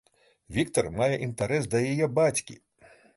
Віктар мае інтэрас да яе бацькі!